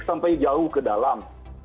sampai jauh ke dalam